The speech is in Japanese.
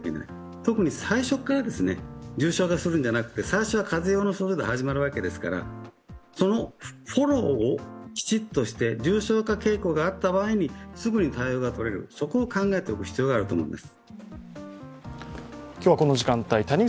特に最初から重症化するんじゃなくて、最初はかぜの症状で始まるわけですから、そのフォローをきちっとして重症化傾向があった場合にすぐに対応がとれる、そこを考えておく必要があると思います。